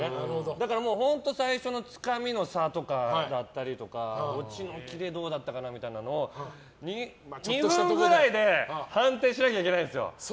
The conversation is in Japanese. だから本当最初のつかみの差とかだったりとかオチのキレどうだったかなとか２分ぐらいで判定しないといけないんですよ。